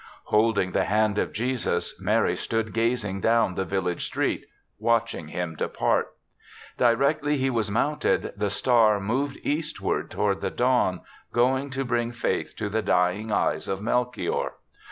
Holding the hand of Jesus, Mary stood gazing down the village street, watching him depart. Directly he was mounted, the star moved east ward toward the dawn, going to bring faith to the dying eyes of Melchior.